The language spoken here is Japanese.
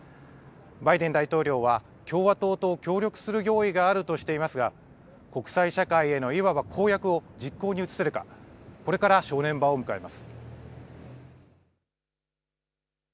バイデン大統領は共和党と協力する用意があるとしていますが、国際社会へのいわば公約を実行に移せるか、これから正念場を迎えます。